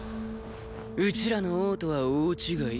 うちらの王とは大違い。